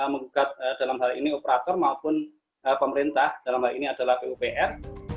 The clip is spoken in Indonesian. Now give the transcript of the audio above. menggugat dalam hal ini operator maupun pemerintah dalam hal ini adalah pupr